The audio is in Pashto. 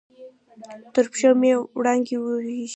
تر پښو مې وړانګې اوریږې